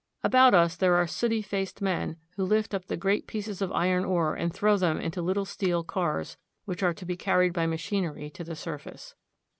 About us there are sooty faced men, who lift up the great pieces of iron ore and throw them into little steel cars, which are to be carried by machinery to the surface.